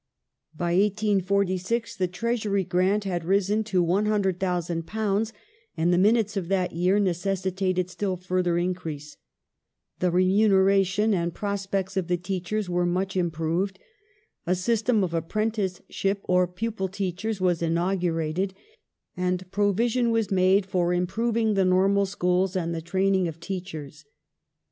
By 1846 the Treasury Grant had risen to £100,000 and the Minutes of that year necessitated still further increase ; the remuneration and prospects of the teachers were much improved ; a system of apprenticeship — or pupil teachers — was inaugurated, and provision was made for improving the Normal schools and the training of teachers.